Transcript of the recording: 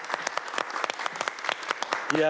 いや。